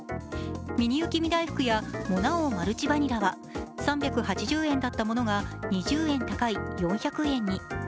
ミニ雪見だいふくやモナ王マルチバニラは３８０円だったものが２０円高い４００円に。